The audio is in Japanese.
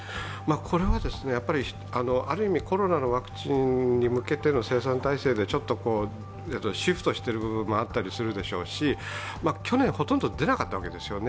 これはある意味、コロナのワクチンに向けての生産体制でちょっとシフトしている部分もあるでしょうし、去年、ほとんど出なかったわけですよね。